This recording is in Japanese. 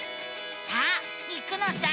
さあ行くのさ！